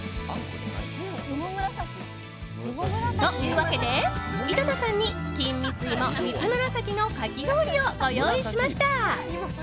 というわけで、井戸田さんに金蜜芋×蜜むらさきのかき氷をご用意しました！